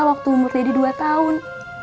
waktu umur dede dua tahun